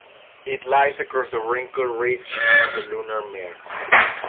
It lies across a wrinkle ridge on the lunar mare.